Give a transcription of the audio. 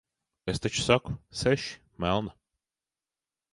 Es taču saku - seši, melna.